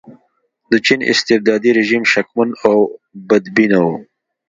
د چین استبدادي رژیم شکمن او بدبینه و.